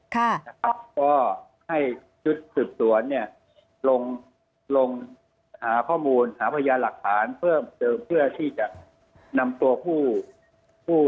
ก็ให้จุดสืบสวนหาข้อมูลหาประยะหลักฐานเพิ่มเติมเพื่อที่จะนำตัวผู้